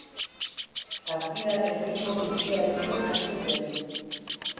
Partida erritmo biziarekin hasi zen.